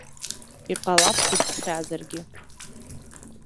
Иҟалап дыԥсхьазаргьы.